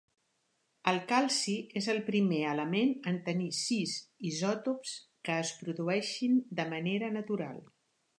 El calci és el primer element en tenir sis isòtops que es produeixin de manera natural.